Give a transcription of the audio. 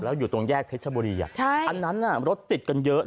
แล้วอยู่ตรงแยกเพชรบุรีอันนั้นรถติดกันเยอะ